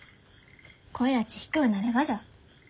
声やち低うなるがじゃ。